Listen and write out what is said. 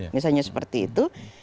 misalnya seperti itu